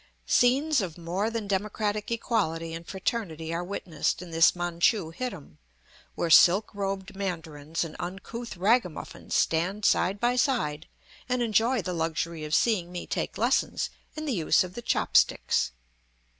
Scenes of more than democratic equality and fraternity are witnessed in this Manchu hittim, where silk robed mandarins and uncouth ragamuffins stand side by side and enjoy the luxury of seeing me take lessons in the use of the chop sticks.